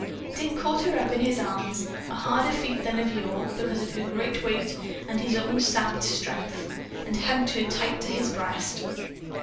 Dick caught her up in his arms a harder feat than of yore, because of her greater weight and his own sapped strength, and hugged her tight to his breast.